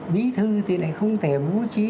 bí thư thì lại không thể bố trí